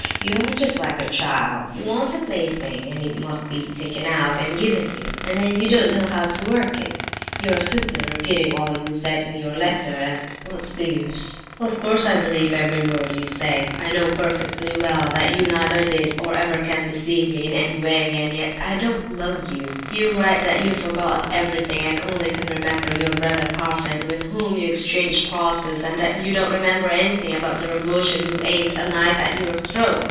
You are just like a child—you want a plaything, and it must be taken out and given you—and then you don't know how to work it. You are simply repeating all you said in your letter, and what's the use? Of course I believe every word you say, and I know perfectly well that you neither did or ever can deceive me in any way, and yet, I don't love you. You write that you've forgotten everything, and only remember your brother Parfen, with whom you exchanged crosses, and that you don't remember anything about the Rogojin who aimed a knife at your throat.